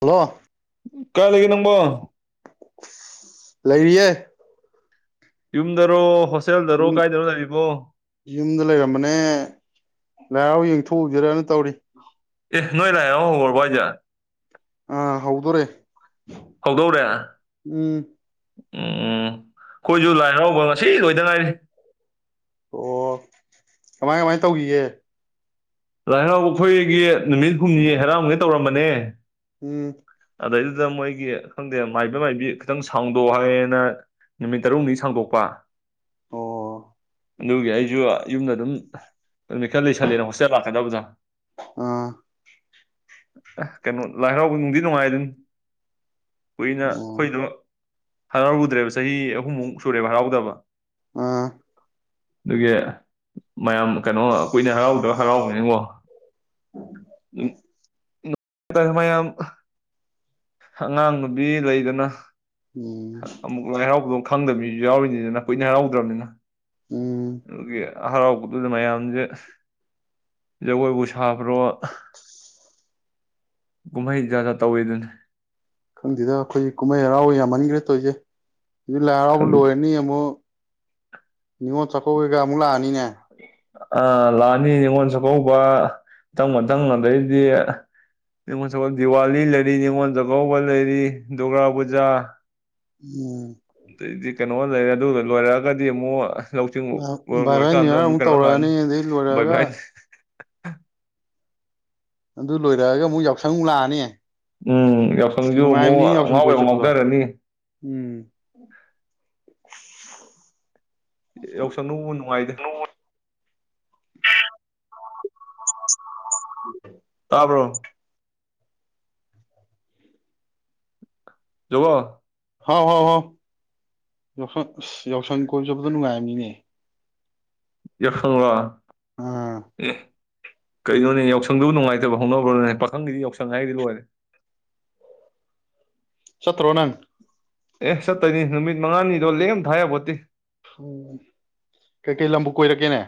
Hello ꯀꯥꯏ ꯂꯩꯒꯦ ꯅꯪꯕꯣ ꯂꯩꯔꯤꯌꯦ ꯌꯨꯝꯗꯔꯣ ꯍꯣ ꯇꯦꯜꯗꯔꯣ ꯌꯨꯝ ꯀꯥꯏꯗꯔꯣ ꯂꯩꯔꯤꯕꯣ ꯂꯥꯏꯔꯥꯎ ꯌꯦꯡꯊꯣꯛꯎꯁꯤꯔꯅ ꯇꯧꯔꯤ [unintelligible] ꯑꯦ ꯅꯣꯏ ꯂꯥꯏ ꯍꯔꯥꯎ ꯍꯧꯔꯕꯣ ꯍꯥꯏꯖꯦ ꯑꯥ ꯍꯧꯗꯧꯔꯦ ꯍꯧꯗꯧꯔꯦ ꯎꯝꯝ ꯑꯩꯈꯣꯏꯁꯨ ꯂꯥꯏ ꯍꯔꯥꯎꯕ ꯉꯁꯤ ꯂꯣꯏꯗ ꯉꯥꯏꯔꯤ ꯑꯣ ꯀꯃꯥꯏ ꯀꯃꯥꯏ ꯇꯧꯔꯤꯒꯦ ꯂꯥꯏ ꯍꯔꯥꯎ ꯑꯩꯈꯣꯏꯒꯤ ꯅꯨꯃꯤꯠ ꯍꯨꯝꯅꯤ ꯍꯥꯏꯔꯥꯎꯒꯩ ꯇꯧꯔꯝꯕꯅꯦ ꯎꯝ ꯑꯗꯩꯗꯨꯗ ꯃꯣꯏꯒꯤ ꯈꯪꯗꯦ ꯃꯥꯏꯕ ꯃꯥꯏꯕꯤ ꯈꯤꯇꯪ ꯁꯥꯡꯗꯣꯛ ꯍꯥꯏꯌꯦꯅ ꯅꯨꯃꯤꯠ ꯇꯔꯨꯅꯤ ꯁꯥꯡꯗꯣꯛꯄ ꯑꯣ ꯑꯗꯨꯒꯤ ꯑꯩꯁꯨ ꯌꯨꯝꯗ ꯑꯗꯨꯝ ꯅꯨꯃꯤꯠ ꯈꯔ ꯂꯩꯁꯜꯂꯦꯅ ꯍꯣꯁꯇꯦꯜ ꯂꯥꯛꯀꯗꯕꯖꯥ ꯑꯥ ꯀꯩꯅꯣ ꯂꯥꯏ ꯍꯥꯔꯥꯎꯕ ꯅꯨꯡꯗꯤ ꯅꯨꯡꯥꯏꯗꯨꯅꯤ ꯀꯨꯏꯅ ꯑꯣ ꯑꯩꯈꯣꯏꯁꯨ ꯍꯔꯥꯎꯔꯨꯗ꯭ꯔꯦꯕ ꯆꯍꯤ ꯑꯍꯨꯝꯃꯨꯛ ꯁꯨꯔꯦꯕ ꯍꯔꯥꯎꯗꯕ ꯑꯥ ꯑꯗꯨꯒꯤ ꯃꯌꯥꯝ ꯀꯩꯅꯣ ꯀꯨꯏꯅ ꯍꯔꯥꯎꯗ꯭ꯔ ꯍꯔꯥꯎꯕꯅꯤꯅ ꯀꯣ ꯎꯝ [unintelligible] ꯃꯌꯥꯝ ꯑꯉꯥꯡ ꯅꯨꯨꯕꯤ ꯂꯩꯗꯅ ꯎꯝ ꯑꯃꯨꯛ ꯂꯥꯏ ꯍꯔꯥꯎꯕꯗꯨ ꯈꯪꯗꯕ ꯃꯤꯁꯨ ꯌꯥꯎꯔꯤꯅꯤꯗꯅ ꯀꯨꯏꯅ ꯍꯔꯥꯎꯗ꯭ꯔꯕꯅꯤꯅ ꯎꯝ [unintelligible] ꯍꯔꯥꯎꯕꯗꯨꯗ ꯃꯌꯥꯝꯁꯦ ꯖꯒꯣꯏꯕꯨ ꯁꯥꯕ꯭ꯔꯣ ꯑꯖ ꯀꯨꯝꯍꯩꯗꯤ ꯖꯥꯠ ꯖꯥꯠ ꯇꯧꯋꯦꯗꯨꯅꯤ ꯈꯪꯗꯦꯗ ꯑꯩꯈꯣꯏꯒꯤ ꯀꯨꯝꯍꯩ ꯍꯔꯥꯎꯕ ꯌꯥꯝꯃꯟꯈ꯭ꯔꯦ ꯇꯧꯔꯤꯁꯦ ꯍꯧꯖꯤꯛ ꯂꯥꯏ ꯍꯔꯥꯎꯕ ꯈꯪꯗꯦ ꯂꯣꯏꯔꯅꯤ ꯑꯃꯨꯛ ꯅꯤꯉꯣꯜꯆꯥꯀꯧꯕ ꯀꯩ ꯒꯥ ꯑꯃꯨꯛ ꯂꯥꯀꯅꯤꯅꯦ ꯑ ꯂꯥꯛꯑꯅꯤ ꯅꯤꯉꯣꯜ ꯆꯥꯛꯀꯧꯕ ꯃꯊꯪ ꯃꯊꯪ ꯑꯗꯩꯗꯤ ꯅꯤꯉꯣꯜ ꯆꯥꯛꯀꯧꯕ ꯗꯤꯋꯥꯂꯤ ꯂꯩꯔꯤ ꯅꯤꯉꯣꯜ ꯆꯥꯛꯀꯧꯕ ꯂꯩꯔꯤ ꯗꯨꯔꯒꯥ ꯄꯨꯖꯥ ꯎꯝ ꯑꯗꯩꯗꯤ ꯀꯩꯅꯣ ꯂꯩꯔꯦ ꯑꯗꯨꯒꯗꯨ ꯂꯣꯏꯔꯛꯑꯒꯗꯤ ꯑꯃꯨꯛ ꯂꯧꯁꯤꯡꯤꯡ ꯃꯔ ꯕꯥꯏ ꯕꯥꯏ ꯂꯣꯏꯔꯀꯥꯟꯗ ꯅꯤꯌꯔ ꯑꯃꯨꯛ ꯀꯩꯅꯣ ꯂꯥꯛꯑꯅꯤ ꯇꯧꯔꯛꯑꯅꯤ ꯑꯗꯩ ꯕꯥꯏ ꯂꯣꯏꯔꯛꯑꯒ ꯚꯥꯏ ꯑꯗꯨ ꯂꯣꯏꯔꯛꯑꯒ ꯑꯃꯨꯛ ꯌꯥꯎꯁꯪ ꯑꯃꯨꯛ ꯂꯥꯛꯑꯅꯤ ꯎꯝ ꯌꯥꯎꯁꯪꯁꯨ ꯑꯃꯨꯛ ꯅꯨꯡꯉꯥꯏꯕꯅꯤ ꯌꯥꯎꯁꯪ ꯉꯥꯎꯕ ꯌꯥꯕ ꯀꯣꯏ ꯑꯃꯨꯛ ꯆꯠꯄꯗꯣ ꯉꯥꯎꯊꯔꯅꯤ ꯎꯝ ꯌꯥꯎꯁꯪꯅꯕꯨ ꯅꯨꯡꯉꯥꯏꯗ [inaudible] ꯇꯥꯕ꯭ꯔꯣ [unintelligible] ꯍꯥꯎ ꯍꯥꯎ ꯍꯥꯎ ꯌꯥꯎꯁꯪ ꯑꯁ ꯌꯥꯎꯁꯪ ꯀꯣꯏ ꯆꯄꯗ ꯅꯨꯡꯉꯥꯏꯕꯅꯤꯅꯦ ꯌꯥꯏꯁꯉ ꯂꯣ ꯑꯥ ꯀꯩꯅꯣꯅꯦ ꯌꯥꯎꯁꯪꯗꯨꯕꯨ ꯅꯨꯡꯉꯥꯏꯇꯕ ꯍꯧꯅꯕ꯭ꯔꯣꯅꯦ ꯄꯥꯈꯪꯒꯤꯗꯤ ꯌꯥꯎꯁꯪ ꯍꯥꯏꯗꯤ ꯂꯣꯏꯔꯦ ꯆꯠꯔꯣ ꯅꯡ ꯑꯦ ꯆꯠꯇꯣꯏꯅꯤ ꯅꯨꯃꯤꯠ ꯃꯉꯥꯅꯤꯗꯣ ꯂꯦꯝ ꯊꯥꯏꯕ ꯌꯥꯄꯣꯟꯇꯦ ꯎꯝ ꯀꯩꯀꯩ ꯂꯝꯕꯨ ꯀꯣꯏꯔꯛꯀꯦꯅꯦ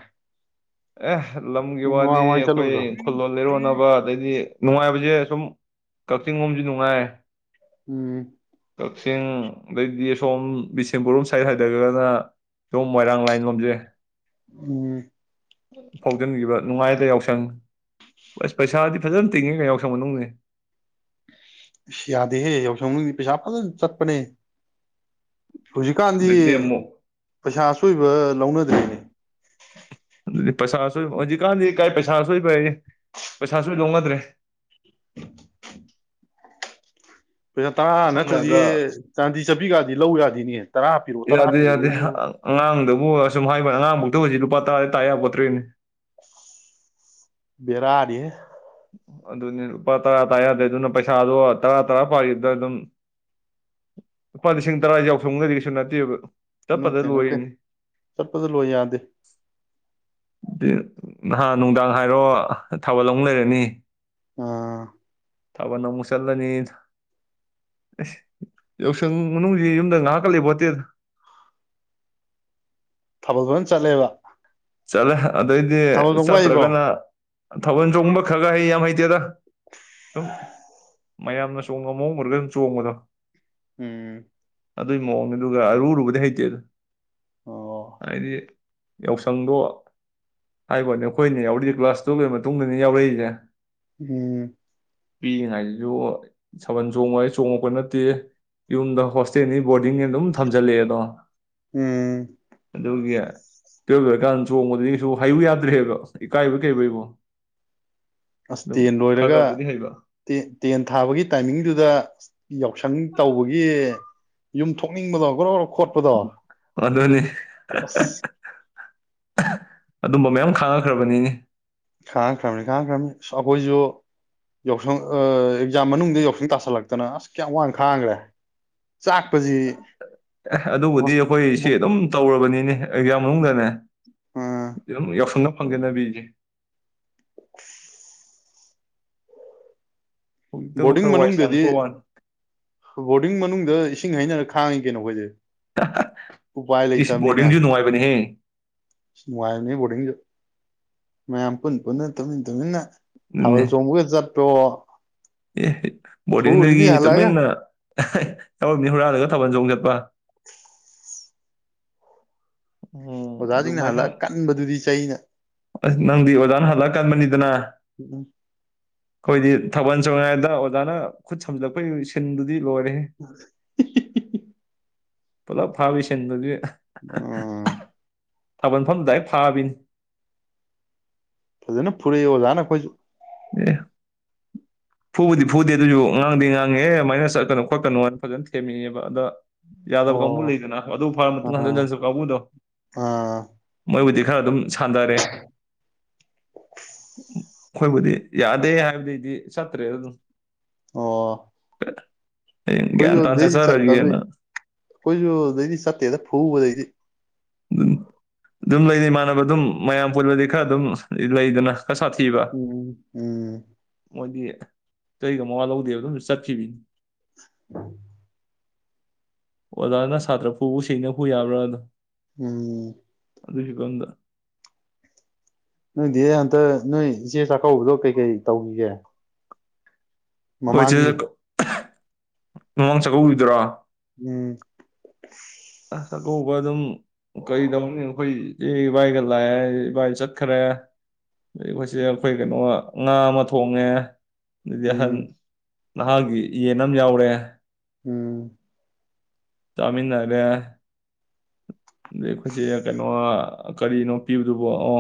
ꯑꯦ ꯂꯝꯒꯤ ꯅꯪ ꯋꯥꯗꯤ ꯃꯃꯥꯡ ꯃꯃꯥꯡ ꯑꯩꯈꯣꯏ ꯆꯠꯂꯨꯕꯗꯣ ꯈꯨꯂꯦꯜ ꯂꯩꯔꯣꯟꯅꯕ ꯑꯗꯩꯗꯤ ꯅꯨꯡꯉꯥꯏꯕꯁꯦ ꯁꯨꯝ ꯀꯛꯆꯤꯡ ꯂꯣꯝꯁꯨ ꯅꯨꯡꯉꯥꯏ ꯎꯝ ꯀꯛꯆꯤꯡ ꯑꯗꯩꯗꯤ ꯑ ꯁꯣꯝ ꯕꯤꯁꯦꯝꯄꯨꯔꯝ ꯁꯥꯏꯠ ꯍꯥꯏꯗ꯭ꯔꯒꯅ ꯁꯣꯝ ꯃꯣꯏꯔꯥꯡ ꯂꯥꯏꯟ ꯂꯣꯝꯖꯦ ꯎꯝ ꯐꯥꯎꯖꯤꯟꯈꯤꯕ ꯅꯨꯡꯉꯥꯏꯗ ꯌꯥꯎꯁꯪ ꯕꯁ ꯄꯩꯁꯥꯗꯤ ꯐꯖꯅ ꯇꯤꯡꯉꯤꯒ ꯌꯥꯎꯁꯪ ꯃꯅꯨꯡꯁꯦ ꯌꯥꯗꯦꯍꯦ ꯌꯥꯎꯁꯪ ꯃꯅꯨꯡꯁꯦ ꯄꯩꯁꯥ ꯐꯖꯅ ꯆꯠꯄꯅꯦ ꯍꯧꯖꯤꯛꯀꯥꯟꯗꯤ ꯑꯗꯨꯗꯤ ꯑꯃꯨꯛ ꯄꯩꯁꯥ ꯑꯆꯣꯏꯕ ꯂꯧꯅꯗ꯭ꯦꯅꯦ ꯑꯗꯨꯗꯤ ꯄꯩꯁꯥ ꯑꯆꯣꯏꯕ ꯍꯧꯖꯤꯛꯀꯥꯟꯗꯤ ꯀꯥꯏ ꯄꯩꯁꯥ ꯑꯆꯣꯏꯕꯌꯦ ꯄꯩꯁꯥ ꯑꯆꯣꯏ ꯂꯧꯅ [unintelligible] ꯄꯩꯁꯥ ꯇꯔꯥ ꯁꯝꯅ ꯅꯠꯇ꯭ꯔꯗꯤ ꯍꯥꯏꯔꯕꯗ ꯆꯥꯟꯗꯤ ꯆꯠꯄꯤꯒꯗꯤ ꯂꯧ ꯌꯥꯗꯤꯅꯦ ꯌꯥꯗꯦ ꯌꯥꯗꯦ ꯑꯉꯥꯡꯗ ꯍꯣꯍ ꯑꯁꯨꯝ ꯍꯥꯏꯕ ꯋꯥꯅꯤ ꯑꯉꯥꯡ ꯕꯨꯛꯇ ꯍꯧꯖꯤꯛ ꯂꯨꯄꯥ ꯇꯔꯥꯗꯩ ꯇꯥ ꯌꯥꯄꯣꯠꯇ꯭ꯔꯦꯅꯦ ꯕꯦꯔꯥꯅꯤꯍꯦ ꯑꯗꯨꯅꯦ ꯂꯨꯄꯥ ꯇꯔꯥ ꯇꯥ ꯌꯥꯗ꯭ꯔꯦ ꯑꯗꯨꯅ ꯄꯩꯁꯥꯗꯣ ꯇꯔꯥ ꯇꯔꯥ ꯄꯥꯈꯤꯗ ꯑꯗꯨꯝ ꯂꯨꯄꯥ ꯂꯤꯁꯤꯡ ꯇꯔꯥ ꯌꯥꯎꯁꯪꯒꯗꯤ ꯀꯩꯁꯨ ꯅꯠꯇꯦꯕ ꯆꯠꯄꯗ ꯅꯠꯇꯦ ꯅꯠꯇꯦ ꯂꯣꯏꯔꯤꯅꯤ ꯆꯠꯄꯗꯨ ꯂꯣꯏ ꯌꯥꯗꯦ ꯅꯍꯥꯟ ꯅꯨꯡꯗꯥꯡ ꯍꯥꯏꯔꯣ ꯊꯥꯕꯜ ꯑꯃꯛ ꯂꯩꯔꯦ ꯅꯦ ꯑ ꯊꯥꯕꯜ ꯑꯃꯨꯛ ꯆꯠꯂꯅꯤ ꯑꯁ ꯌꯥꯎꯁꯪ ꯃꯅꯨꯡꯁꯤ ꯌꯨꯝꯗ ꯉꯥꯏꯍꯥꯛꯀ ꯂꯩꯄꯣꯠꯇꯦꯗ ꯊꯥꯕꯜ ꯐꯅ ꯆꯠꯂꯦꯕ ꯆꯠꯂꯦ ꯑꯗꯩꯗꯤ ꯊꯥꯕꯜ ꯆꯣꯡꯕ ꯍꯩꯕ꯭ꯔꯣ ꯆꯠꯇ꯭ꯔꯒꯅ ꯊꯥꯕꯜ ꯆꯣꯡꯕ ꯈꯔ ꯈ ꯍꯩ ꯌꯥꯝ ꯍꯩꯇꯦꯗ ꯁꯨꯝ ꯃꯌꯥꯝꯅ ꯆꯣꯡꯕ ꯃꯑꯣꯡ ꯎꯔꯒ ꯑꯗꯨꯝ ꯆꯣꯡꯕꯗꯣ ꯎꯝ ꯑꯗꯨꯒꯤ ꯃꯑꯣꯡꯅꯦ ꯑꯗꯨꯒ ꯑꯔꯨꯑꯔꯨꯕꯗꯤ ꯍꯩꯇꯦꯗ ꯑꯣ ꯍꯥꯏꯗꯤ ꯌꯥꯎꯁ ꯁꯪꯗꯣ ꯍꯥꯏꯕ꯭ꯋꯥꯅꯦ ꯑꯩꯈꯣꯏꯅ ꯌꯥꯎꯔꯛꯏꯁꯦ ꯀ꯭ꯂꯥꯁ ꯇꯨꯌꯦꯜꯞꯒꯤ ꯃꯇꯨꯡꯗꯅꯤ ꯌꯥꯎꯔꯛꯏꯁꯦ ꯎꯝ ꯄꯤꯛꯏꯉꯥꯏꯗꯁꯨ ꯁꯥꯕꯜ ꯆꯣꯡꯉꯣꯏ ꯆꯣꯡꯉꯛꯄ ꯅꯠꯇꯦ ꯌꯨꯝꯗ ꯍꯣꯁꯇꯦꯜꯅꯤ ꯕꯣꯔꯗꯤꯡꯅꯤ ꯑꯗꯨꯝ ꯊꯝꯖꯜꯂꯛꯑꯦꯗꯣ ꯎꯝ ꯑꯗꯨꯒꯤ ꯂꯣꯏꯔꯀꯥꯟꯗ ꯆꯣꯡꯕꯗꯨꯗꯤ ꯀꯩꯁꯨ ꯍꯩꯌꯨ ꯌꯥꯗ꯭ꯔꯦꯕ ꯏꯀꯥꯏꯕꯣꯏ ꯀꯩꯩꯕꯣꯏꯀꯣ ꯑꯁ ꯇꯦꯟ ꯂꯣꯏꯔꯒ ꯇꯦꯟ ꯊꯥꯕꯒꯤ ꯇꯥꯏꯃꯤꯡꯗꯨꯗ ꯌꯥꯎꯁꯪ ꯇꯧꯕꯒꯤ ꯌꯨꯝ ꯊꯣꯛꯅꯤꯡꯕꯗꯣ ꯒ꯭ꯔꯣꯒ꯭ꯔꯣ ꯑꯗꯨꯅꯤ ꯑꯁ ꯑꯗꯨꯝꯕ ꯃꯌꯥꯝ ꯈꯥꯡꯉꯛꯈ꯭ꯔꯕꯅꯤꯅꯦ ꯈꯥꯡꯈ꯭ꯔꯕꯅꯤ ꯈꯥꯡꯈ꯭ꯔꯕꯅꯤ ꯑꯁ ꯑꯩꯈꯣꯏꯁꯨ ꯌꯥꯎꯁꯪ ꯑꯦꯛꯖꯥꯝ ꯃꯅꯨꯡꯗ ꯌꯥꯎꯁꯪ ꯇꯥꯁꯜꯂꯛꯇꯅ ꯑꯁ ꯀꯌꯥꯝ ꯋꯥꯡꯅ ꯈꯥꯡꯈ꯭ꯔꯦ ꯆꯥꯛꯄꯁꯤ ꯑꯦ ꯑꯗꯨꯕꯨꯗꯤ ꯑꯩꯈꯣꯏ ꯁꯤ ꯑꯗꯨꯝ ꯇꯧꯔꯕꯅꯤꯅꯦ ꯑꯦꯛꯖꯥꯝ ꯃꯅꯨꯡꯗꯅꯦ ꯑꯗꯨꯝ ꯌꯥꯎꯁꯪꯟꯅ ꯐꯪꯒꯦꯅꯕꯤꯁꯦ [inaudible] ꯍꯧꯖꯤꯛꯇꯕꯨ ꯕꯣꯔꯗꯤꯡ ꯈꯔ ꯋꯥꯏ ꯃꯅꯨꯡꯗꯗꯤ ꯁꯪꯉꯛꯄ ꯋꯥꯅꯤ ꯕꯣꯔꯗꯤꯡ ꯃꯅꯨꯡꯗ ꯏꯁꯤꯡ ꯍꯩꯅꯔ ꯈꯥꯡꯉꯤ ꯀꯦꯅꯣꯈꯣꯏꯁꯦ ꯏꯁ ꯕꯣꯔꯗꯤꯡꯁꯨ ꯅꯨꯡꯉꯥꯏꯕꯅꯦꯍꯦ ꯑ ꯅꯨꯡꯉꯥꯏꯕꯅꯦ ꯕꯣꯔꯗꯤꯡꯁꯨ ꯃꯌꯥꯝ ꯄꯨꯟꯅ ꯄꯨꯟꯅ ꯇꯧꯃꯤꯟ ꯇꯧꯃꯤꯟꯅ ꯊꯥꯎꯕꯜ ꯑꯗꯨꯅꯦ ꯆꯣꯡꯃꯨꯒꯦ ꯆ ꯇꯣ ꯑꯦ ꯕꯣꯔꯗꯤꯡꯗꯒꯤ ꯇꯨꯃꯤꯟꯅ ꯇꯧꯔꯝꯅꯤ ꯍꯨꯔꯥꯟꯜꯂꯒ ꯊꯥꯕꯜ ꯆꯣꯡ ꯆꯠꯄ ꯎꯝ ꯑꯣꯖꯥꯁꯤꯡꯅ ꯑꯗꯨꯃꯥꯏꯅ ꯍꯜꯂꯛꯑ ꯀꯟꯕꯗꯨꯗꯤ ꯆꯩꯅ ꯑꯁ ꯅꯪꯗꯤ ꯑꯣꯖꯥꯅ ꯍꯜꯂ ꯀꯟꯕꯅꯤꯗꯅ ꯎꯝ ꯑꯩꯈꯣꯏꯗꯤ ꯊꯥꯕꯜ ꯆꯣꯉꯤꯉꯩꯗ ꯑꯣꯖꯥꯅ ꯈꯨꯠ ꯁꯝꯖꯤꯜꯂꯛꯄꯒꯤ ꯁꯤꯟꯗꯨꯗꯤ ꯂꯣꯏꯔꯦꯍꯦ ꯄꯨꯂꯞ ꯐꯥꯕꯩ ꯁꯤꯟꯗꯨꯗꯤ ꯎꯝ ꯊꯥꯕꯟ ꯃꯐꯝ ꯗꯥꯏꯔꯦꯛ ꯐꯥꯕꯤꯅꯤ ꯐꯖꯅ ꯐꯨꯔꯛꯏ ꯑꯣꯖꯥꯅꯥ ꯈꯣꯏꯁꯨ ꯑꯦ ꯐꯨꯕꯨꯗꯤ ꯐꯨꯗꯦ ꯑꯗꯨꯁꯨ ꯉꯥꯡꯗꯤ ꯉꯥꯡꯉꯦ ꯑꯗꯨꯃꯥꯏꯅ ꯆꯠꯀꯅꯨ ꯈꯣꯠꯀꯅꯣꯅ ꯐꯖꯅ ꯊꯦꯝꯃꯦꯕ ꯑꯗ ꯌꯥꯗꯕ ꯀꯥꯡꯕꯨ ꯑꯣ ꯂꯩꯗꯅ ꯑꯗꯨ ꯐꯔꯕ ꯃꯇꯨꯡ ꯑꯥ ꯍꯟꯖꯤꯟ [unintelligible] ꯀꯥꯡꯕꯨꯗꯣ ꯑꯥ ꯃꯣꯏꯕꯨꯗꯤ ꯈꯔ ꯑꯗꯨꯝ ꯁꯥꯟꯗꯔꯦ ꯑꯩꯈꯣꯏꯕꯨꯗꯤ ꯌꯥꯗꯦ ꯍꯥꯏꯕꯗꯩꯗꯤ ꯆꯠꯇꯔ꯭ꯦꯗꯥ ꯑꯗꯨꯝ ꯑꯣ [unintelligible] ꯒ꯭ꯌꯥꯟ ꯑꯈꯣꯏꯁꯨꯨ ꯇꯥꯅ ꯑꯗꯨꯗꯩꯗꯤ ꯆꯠꯇꯝꯅꯤ ꯆꯠꯆꯔꯒꯦꯅ ꯑꯩꯈꯣꯏꯁꯨꯨ ꯑꯗꯨꯗꯩꯗꯤ ꯆꯠꯇꯦꯗ ꯐꯨꯕꯗꯩꯗꯤ ꯑꯗꯨꯝ ꯂꯩꯅꯤ ꯏꯃꯥꯟꯅꯕ ꯑꯗꯨꯝ ꯃꯌꯥꯝ ꯄꯨꯟꯕꯗꯤ ꯈꯔ ꯑꯗꯨꯝ ꯂꯩꯗꯅ ꯈꯔ ꯁꯥꯊꯤꯕ ꯎꯝ ꯎꯝ ꯃꯣꯏꯗꯤ ꯆꯩꯒꯥ ꯃꯋꯥ ꯂꯧꯗꯦꯕ ꯑꯗꯨꯝ ꯆꯠꯈꯤꯕꯤꯅꯤ [unintelligible] ꯑꯣꯖꯥꯅ ꯁꯥꯇ꯭ꯔ ꯐꯨꯕꯨ ꯁꯅ ꯐꯨ ꯌꯥꯕ꯭ꯔꯥꯗ ꯎꯝ ꯅꯣꯏꯒꯤ ꯑꯗꯣꯝꯗ ꯅꯪꯗꯤ ꯍꯟꯇ ꯅꯣꯏ ꯏꯆꯦ ꯆꯥꯛꯀꯧꯕꯗꯣ ꯀꯩꯀꯩ ꯇꯧꯈꯤꯒꯦ ꯑꯩꯈꯣꯏ ꯃꯃꯥꯡꯒꯤ ꯆꯦ ꯃꯃꯥꯡ ꯆꯥꯛꯀꯧꯒꯤꯕꯗ꯭ꯔꯣ ꯎꯝ [unintelligible] ꯑꯥꯛꯀꯧꯕ ꯑꯗꯨꯝ ꯀꯩꯗꯧꯅꯤ ꯑꯩꯈꯣꯏ ꯏꯆꯦ ꯏꯕꯥꯏꯒ ꯂꯥꯛꯑꯦ ꯏꯕꯥꯏ ꯆꯠꯈ꯭ꯔꯦ ꯑꯗꯩ ꯑꯩꯈꯣꯏꯆꯦ ꯑꯩꯈꯣꯏ ꯀꯩꯅꯣ ꯉꯥ ꯑꯃ ꯊꯣꯡꯉꯦ ꯑꯗꯨꯗꯩꯩ ꯍꯟ ꯎꯝ ꯅꯍꯥꯒꯤ ꯌꯦꯟ ꯑꯃ ꯌꯥꯎꯔꯦ ꯎꯝ ꯆꯥꯃꯤꯟꯅꯔꯦ ꯑꯗꯩ ꯑꯩꯈꯣꯏꯆꯦ ꯀꯩꯅꯣ ꯀꯔꯤꯅꯣ ꯄꯤꯕꯗꯨꯕ ꯑꯣ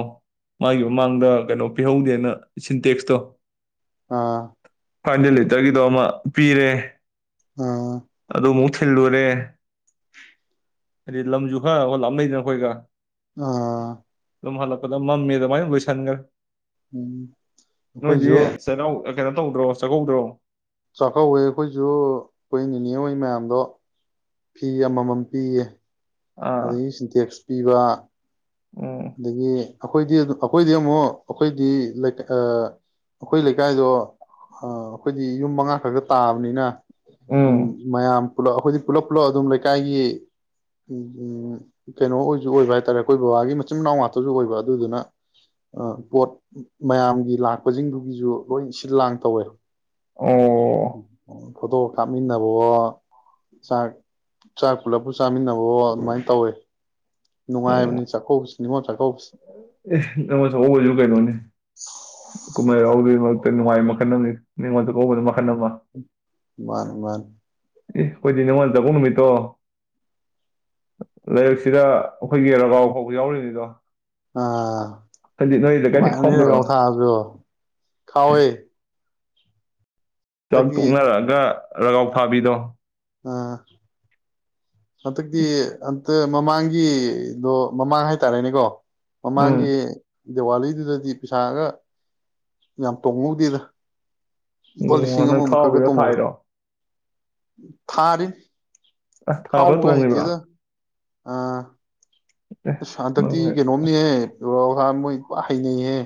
ꯃꯥꯒꯤ ꯃꯃꯥꯡꯗ ꯀꯩꯅꯣ ꯄꯤꯍꯧꯗꯦꯅ ꯁꯤꯟꯇꯦꯛꯁꯇꯣ ꯑꯥ ꯐꯥꯏꯕ ꯍꯟꯗꯔ꯭ꯗ ꯂꯤꯇꯔꯒꯤꯗꯣ ꯑꯃ ꯄꯤꯔꯦ ꯑꯥ ꯑꯗꯨꯃꯨꯛ ꯊꯤꯜꯂꯨꯔꯦ ꯑꯗꯩꯩ ꯂꯝꯖꯨ ꯍꯣꯏ ꯍꯣꯏ ꯂꯥꯞꯅꯩꯗꯅ ꯑꯩꯈꯣꯏꯒ ꯑꯥ ꯃꯝꯃꯤ ꯑꯗꯨꯃꯥꯏꯅ ꯂꯣꯏꯁꯤꯟꯈ꯭ꯔꯦ ꯎꯝ ꯑꯩꯈꯣꯏꯁꯨꯨ ꯆꯩꯔꯥꯎ ꯀꯩꯅꯣ ꯇꯧꯗ꯭ꯔꯣ ꯆꯥꯛꯀꯧꯗ꯭ꯔꯣ ꯆꯥꯛꯀꯧꯋꯦ ꯑꯩꯈꯣꯏꯁꯨ ꯑꯩꯈꯣꯏ ꯅꯤꯅꯦ ꯍꯣꯏ ꯃꯌꯥꯝꯗꯣ ꯐꯤ ꯑꯃꯃꯝ ꯄꯤꯌꯦ ꯑꯥ ꯑꯗꯒꯤ ꯁꯤꯟꯇꯦꯛꯁ ꯄꯤꯕ ꯎꯝ ꯑꯗꯒꯤ ꯑꯩꯈꯣꯏꯗꯤ ꯑꯩꯈꯣꯏꯗꯤ ꯑꯃꯨꯛ ꯑꯩꯈꯣꯏꯗꯤ ꯑꯩꯈꯣꯏ ꯂꯩꯀꯥꯏꯗꯣ ꯑꯩꯈꯣꯏꯗꯤ ꯌꯨꯝ ꯃꯉꯥ ꯈꯛꯇ ꯇꯥꯕꯅꯤꯅ ꯎꯝ ꯃꯌꯥꯝ ꯂ ꯑꯩꯈꯣꯏꯗꯤ ꯄꯨꯂꯞ ꯄꯨꯂꯞ ꯑꯗꯨꯝ ꯂꯩꯀꯥꯏꯒꯤ ꯀꯩꯅꯣ ꯑꯣꯏꯁꯨ ꯑꯣꯏꯕ ꯍꯥꯏꯇꯥꯔꯦ ꯑꯩꯈꯣꯏ ꯕꯕꯥꯒꯤ ꯏꯆꯤꯟꯅꯥꯎ ꯉꯥꯛꯇꯁꯨ ꯑꯣꯏꯕ ꯑꯗꯨꯗꯨꯅ ꯄꯣꯠ ꯃꯌꯥꯝꯒꯤ ꯂꯥꯛꯄꯁꯤꯡꯗꯨꯒꯤꯁꯨ ꯂꯣꯏ ꯁꯤꯜ ꯂꯥꯡ ꯇꯧꯋꯦ ꯑꯣ ꯑꯣ ꯐꯣꯇꯣ ꯀꯥꯞꯃꯤꯟꯅꯕꯣ ꯆꯥꯛ ꯆꯥꯛ ꯄꯨꯂꯞꯄ ꯆꯥꯃꯤꯟꯅꯕꯣ ꯑꯗꯨꯃꯥꯏꯅ ꯇꯧꯋꯦ ꯑꯣ ꯅꯨꯡꯉꯥꯏꯕꯅꯤ ꯆꯥꯛꯀꯧꯕꯁꯦ ꯑꯦ ꯑꯃ ꯍꯖ ꯀꯥꯏ ꯀꯅꯤ ꯀꯨꯃꯥꯏꯒ ꯅꯨꯡꯉꯥꯏ ꯃꯈꯜ ꯅꯪ ꯅꯤꯡꯉꯣꯟꯗ ꯀꯧꯕ ꯃꯥꯅꯦ ꯋꯥꯟ ꯑꯦ ꯑꯩꯈꯣꯏꯗꯤ ꯅꯤꯡꯅꯤꯉꯣꯜ ꯆꯧꯕ ꯅꯨꯃꯤꯠꯇꯣ ꯂꯩꯔꯛꯁꯤꯗ ꯑꯩꯈꯣꯏꯒꯤ ꯔꯒꯥꯎ ꯈꯥꯎꯕ ꯌꯥꯎꯔꯤꯅꯤꯗꯣ ꯑꯥ ꯍꯥꯏꯗꯤ ꯅꯣꯏ ꯂꯩꯀꯥꯏꯗꯤ ꯅꯨꯡꯁꯤꯕꯒꯤ ꯂꯩ ꯈꯥꯎꯗ꯭ꯔꯣ ꯀꯥꯎ ꯊꯥꯕꯗꯣ ꯈꯥꯎꯋꯦ ꯆꯥꯛ ꯍꯟꯗꯛꯀꯤ ꯇꯣꯛꯅꯔꯛꯑꯒ ꯔꯒꯥꯎ ꯊꯥꯕꯤꯗꯣ ꯑꯥ ꯍꯟꯗꯛꯇꯤ ꯑꯟꯇ ꯃꯃꯥꯡꯒꯤꯗꯣ ꯃꯃꯥꯡ ꯍꯥꯏꯇꯥꯔꯦꯅꯦꯀꯣ ꯎꯝ ꯃꯃꯥꯡꯒꯤ ꯗꯦꯋꯥꯂꯤꯗꯨꯗꯗꯤ ꯄꯩꯁꯥꯒ ꯌꯥꯝ ꯇꯣꯡꯍꯧꯗꯦꯗ ꯂꯨꯄꯥ ꯂꯤꯁꯤꯡ ꯎꯝ ꯑꯃꯃꯨꯛ ꯈꯛꯒ ꯈꯥꯎꯔꯤꯔꯣ ꯇꯣꯡꯍꯧꯋꯤ ꯊꯥꯔꯤꯔꯣ ꯊꯥꯔꯤꯅꯤ ꯑ ꯊꯥꯕ ꯈꯥꯎꯕꯒ ꯇꯣꯡꯉꯕ ꯍꯩꯇꯦꯗ ꯑꯥ ꯅꯪ ꯁꯥꯟꯇꯇ ꯀ ꯅꯣꯝꯅꯤ ꯑꯁ ꯍꯥꯏ ꯥ ꯃꯣꯏꯕꯨ ꯍꯥꯏꯅꯤꯍꯦ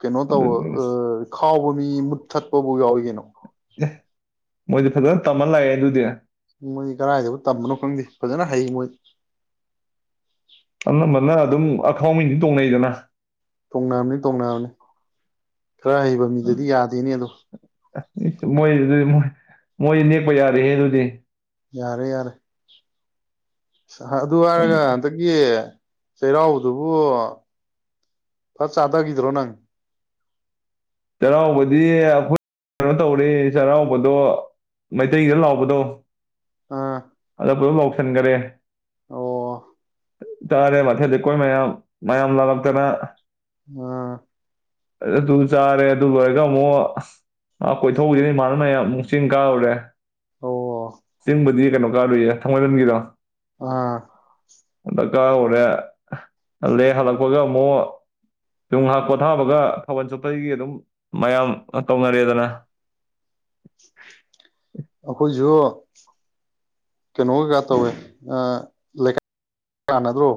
ꯀꯩꯅꯣ ꯇꯧ ꯑ ꯑꯗꯨꯗꯤ ꯑꯁ ꯈꯥꯎꯕ ꯃꯤ ꯃꯨꯠꯊꯠꯄꯕꯨ ꯌꯥꯎꯏ ꯀꯅꯣ ꯑꯦ ꯃꯣꯏꯗꯤ ꯐꯖꯅ ꯇꯝꯃ ꯂꯥꯛꯑꯦ ꯑꯗꯨꯗꯤ ꯃꯣꯏꯗꯤ ꯀꯔꯥꯏꯗꯕꯨ ꯇꯝꯕꯅꯣ ꯈꯪꯗꯦ ꯐꯖꯅ ꯍꯩ ꯃꯣꯏꯗꯤ ꯑꯅꯝꯕꯅ ꯑꯗꯨꯝ ꯑꯈꯥꯎꯃꯤꯗꯤ ꯇꯣꯡꯅꯩꯗꯅ ꯇꯣꯡꯅꯔꯕꯅꯤ ꯇꯣꯡꯅꯔꯕꯅꯤ ꯈꯔ ꯍꯩꯕ ꯃꯤꯗꯗꯤ ꯌꯥꯗꯦꯅꯦ ꯑꯗꯣ ꯑꯁ ꯃꯣꯏꯗꯤ ꯃꯣꯏ ꯅꯦꯛꯄ ꯌꯥꯔꯦꯍꯦ ꯑꯗꯨꯗꯤ ꯌꯥꯔꯦ ꯌꯥꯔꯦ ꯑꯗꯨ ꯍꯥꯏꯔꯒ ꯍꯟꯗꯛꯀꯤ ꯆꯩꯔꯥꯎꯕꯗꯨꯕꯨ ꯐꯠ ꯆꯥꯊꯈꯤꯗ꯭ꯔꯣ ꯅꯪ ꯆꯩꯔꯥꯎꯕꯗꯤ ꯑꯩꯈꯣꯏ ꯀꯩꯅꯣ ꯇꯧꯔꯤ ꯆꯩꯔꯥꯎꯕꯗꯣ ꯃꯩꯇꯩꯗ ꯂꯥꯎꯕꯗꯣ ꯑꯥ ꯑꯗ ꯄꯨ ꯑꯗꯨ ꯂꯥꯎꯁꯟꯈꯔꯦ ꯑꯣ ꯇꯥꯔꯦ ꯃꯊꯦꯗꯤꯈꯣꯏ ꯃꯌꯥꯝ ꯃꯌꯥꯝ ꯂꯥꯛꯂꯛꯇꯅ ꯑꯥ ꯑꯗꯨ ꯆꯥꯔꯦ ꯑꯗꯨ ꯂꯣꯏꯔꯒ ꯑꯃꯨꯛ ꯃꯥ ꯀꯣꯏꯊꯣꯛꯁꯤꯅ ꯏꯃꯥꯅꯅꯌꯥꯝ ꯑꯃꯨꯛ ꯆꯤꯡ ꯀꯥꯍꯨꯔꯦ ꯑꯣ ꯆꯤꯡꯕꯨꯗꯤ ꯀꯩꯅꯣ ꯀꯥꯔꯨꯌꯦ ꯊꯥꯡꯃꯩꯕꯟꯒꯤꯗꯣ ꯑ ꯑꯥ ꯑꯣꯗꯀꯥ ꯎꯔꯦ ꯇꯪꯂꯦ ꯍꯜꯂꯛꯄꯒ ꯑꯃꯨ ꯌꯨꯡꯍꯥꯛ ꯄꯣꯊꯥꯕꯒ ꯊꯥꯕꯜ ꯆꯣꯄꯒꯤ ꯑꯗꯨꯝ ꯃꯌꯥꯝ ꯇꯧꯅꯔꯦꯗꯅ ꯑꯩꯈꯣꯏꯁꯨꯨ ꯀꯩꯅꯣ ꯀꯥꯛ ꯇꯧꯋꯦ ꯑ ꯂꯩꯀꯥ [inaudible] ꯅꯗ꯭ꯔꯣ꯫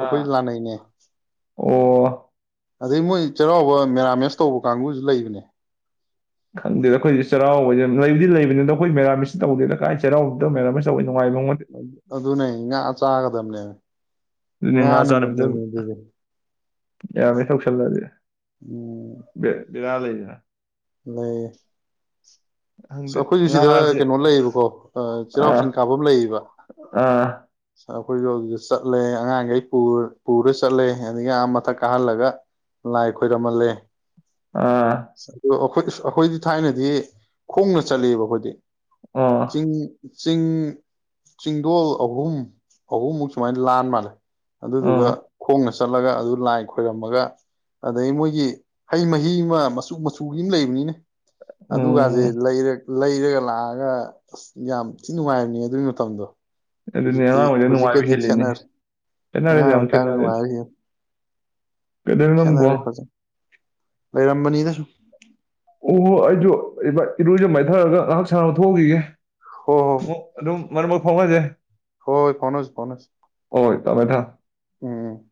ꯑꯥ ꯑꯈꯣꯏꯗꯤ ꯂꯥꯟꯅꯩꯅꯦ꯫ ꯑꯣ꯫ ꯑꯗꯩ ꯃꯣꯏ ꯆꯩꯔꯥꯎꯕ ꯃꯦꯔꯥꯃꯦꯁ ꯇꯧꯕ ꯀꯥꯡꯕꯨꯁꯨ ꯂꯩꯕꯅꯦ꯫ ꯈꯪꯗꯦꯗ ꯑꯩꯈꯣꯏꯁꯦ ꯆꯩꯔꯥꯎꯕ ꯂꯩꯕꯗꯤ ꯌꯥꯝ ꯂꯩꯕꯅꯤꯗꯣ ꯑꯩꯈꯣꯏ ꯃꯦꯔꯥꯃꯤꯁ ꯇꯧꯗꯦꯗ ꯀꯥꯏ ꯆꯩꯔꯥꯎꯕꯗ ꯃꯦꯔꯥꯃꯤꯁ ꯇꯧꯕꯩ ꯅꯨꯡꯉꯥꯏꯕ ꯑꯃ ꯅꯠꯇꯦ ꯑꯗꯨꯅꯦ ꯉꯥ ꯆꯥꯒ ꯗꯝꯅꯦ꯫ ꯑꯗꯨꯅꯦ ꯉꯥ ꯆꯥꯗꯕꯤꯗ ꯃꯤꯔꯥꯃꯦꯁ ꯇꯧꯁꯜꯂꯗꯤ꯫ ꯎꯝ꯫ ꯕꯦ ꯕꯦꯔꯥ ꯂꯩꯗꯅ꯫ [unintelligible] [inaudible] ꯑꯈꯣꯏꯁꯨ ꯁꯤꯗ ꯉꯥꯁꯦ ꯀꯩꯅꯣ ꯂꯩꯌꯦꯕꯀꯣ ꯑ-ꯆꯩꯔꯥꯎ ꯑꯥ ꯆꯤꯡ ꯀꯥꯐꯝ ꯂꯩꯌꯦꯕ ꯑꯥ ꯑꯈꯣꯏꯗꯣ ꯑꯗꯨꯗ ꯆꯠꯂꯦ ꯑꯉꯥꯡꯈꯩ ꯄꯨꯔ ꯆꯠꯂꯦ ꯑꯗꯒꯤ ꯑꯥ ꯃꯊꯛ ꯀꯥꯍꯜꯂꯒ ꯂꯥꯏ ꯈꯣꯏꯔꯝꯍꯜꯂꯦ꯫ ꯑꯥ꯫ ꯑꯗꯨ ꯑꯩꯈꯣꯏ ꯑꯩꯈꯣꯏꯗꯤ ꯊꯥꯏꯅꯗꯤ꯫ ꯈꯣꯡꯅ ꯆꯠꯂꯦꯕ ꯑꯈꯣꯏꯗꯤ꯫ ꯑꯣ ꯆꯤꯡ꯫ ꯆꯤꯡ ꯆꯤꯡꯗꯣꯜ ꯑꯍꯨꯝ ꯑꯍꯨꯝꯃꯨꯛ ꯁꯨꯃꯥꯏꯅ ꯂꯥꯟ ꯃꯥꯜꯂꯦ꯫ ꯑꯗꯨꯗꯨꯒ ꯑꯣ ꯈꯣꯡꯅ ꯆꯠꯂꯒ ꯑꯗꯨ ꯂꯥꯏ ꯈꯣꯏꯔꯝꯃꯒ ꯑꯗꯩ ꯃꯣꯏꯒꯤ ꯍꯩ ꯃꯍꯤ ꯑꯃ ꯃꯆꯨ ꯃꯆꯨꯒꯤ ꯑꯃ ꯂꯩꯕꯅꯤꯅꯦ꯫ ꯑꯗꯨꯒꯁꯦ ꯎꯝ ꯂꯩꯔꯒ ꯂꯥꯛꯑꯒ ꯑꯁ ꯌꯥꯝ ꯊꯤ ꯅꯨꯡꯉꯥꯏꯕꯅꯤꯍꯦ ꯑꯗꯨꯒꯤ ꯃꯇꯝꯗꯣ꯫ ꯑꯗꯨꯅꯦ ꯍꯧꯖꯤꯛꯇꯤ ꯑꯉꯥꯡꯉꯩꯗ ꯅꯨꯡꯉꯥꯏꯕ ꯍꯧꯖꯤꯛꯀꯗꯤ ꯍꯦꯜꯂꯤꯅꯦ ꯈꯦꯠꯅꯔꯦ ꯈꯦꯠꯅꯔꯦꯗ ꯑꯉꯥꯡ ꯌꯥꯝ ꯑꯣꯏꯔꯤꯀꯥꯟꯗ ꯈꯦꯠꯅꯔꯦ꯫ ꯅꯨꯡꯉꯥꯏꯕ ꯍꯦꯟ ꯀꯩꯗꯧꯔꯤꯅꯣ ꯅꯪꯕꯣ ꯈꯦꯠꯅꯔꯦ ꯑꯣ ꯐꯖ꯫ ꯂꯩꯔꯝꯕꯅꯤꯗ ꯁꯨꯝ꯫ ꯑꯣꯍꯣ ꯑꯩꯁꯨ ꯏꯔꯨꯖ ꯃꯥꯏꯊꯔꯒ ꯉꯥꯏꯍꯥꯛ ꯁꯥꯟꯅꯕ ꯊꯣꯛꯎꯈꯤꯒꯦ꯫ ꯍꯣ ꯍꯣ [unintelligible] ꯑꯗꯨꯝ꯫ ꯃꯔꯃꯔꯛ ꯐꯥꯎꯅꯁꯦ꯫ ꯍꯣꯏ ꯍꯣꯏ ꯐꯥꯎꯅꯁꯦ ꯐꯥꯎꯅꯁꯦ꯫ ꯍꯣꯏ ꯊꯝꯃꯦ ꯊꯥ ꯎꯝ꯫